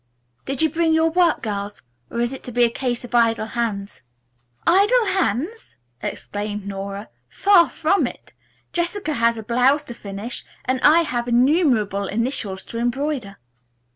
"Did you bring your work, girls, or is it to be a case of idle hands?" "Idle hands!" exclaimed Nora. "Far from it. Jessica has a blouse to finish and I have innumerable initials to embroider."